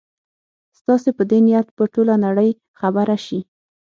ستاسي په دې نیت به ټوله نړۍ خبره شي.